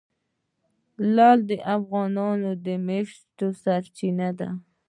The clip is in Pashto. لعل د افغانانو د معیشت سرچینه ده.